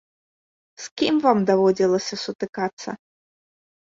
З кім вам даводзілася сутыкацца?